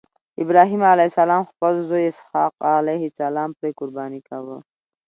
ابراهیم علیه السلام خپل زوی اسحق علیه السلام پرې قرباني کاوه.